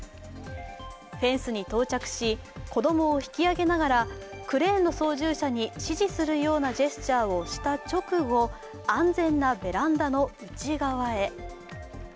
フェンスに到着し子供を引き上げながらクレーンの操縦者に指示するようなジェスチャーをした直後、安全なベランダの内側へ。